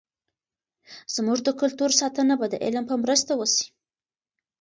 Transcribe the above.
زموږ د کلتور ساتنه به د علم په مرسته وسي.